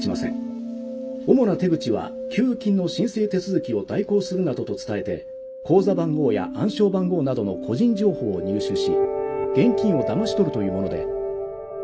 主な手口は給付金の申請手続きを代行するなどと伝えて口座番号や暗証番号などの個人情報を入手し現金をだまし取るというもので」。